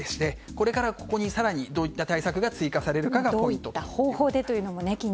これからここに更にどういった対策が追加されるのかがポイント。